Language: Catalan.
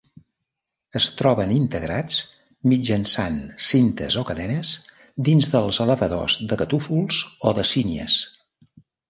Es troben integrats, mitjançant cintes o cadenes, dins dels elevadors de catúfols o de sínies.